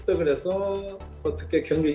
setelah kita menembak